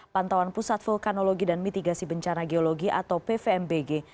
pantauan pusat vulkanologi dan mitigasi bencana geologi atau pvmbg